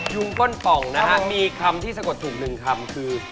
ยุงก้นปล่องนะครับมีคำที่๋ดถูกหนึ่งคำคือ